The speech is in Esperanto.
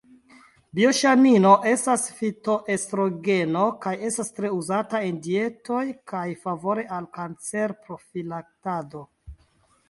Bioŝanino estas fitoestrogeno kaj estas tre uzata en dietoj favore al kancerprofilaktado.